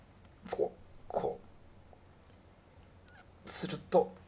すると。